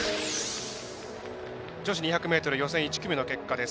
女子２００ｍ予選１組の結果です。